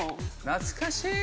懐かしい！